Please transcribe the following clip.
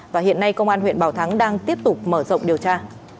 và hiện nay công an huyện bảo thắng đang tiếp tục mở rộng điều tra